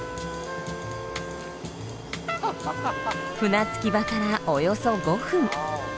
船着き場からおよそ５分。